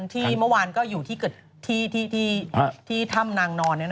ที่เมื่อวานก็อยู่ที่เกิดที่ถ้ำนางนอน